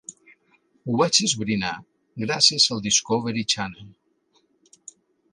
Ho vaig esbrinar gràcies al Discovery Channel.